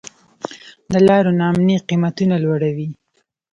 د لارو نا امني قیمتونه لوړوي.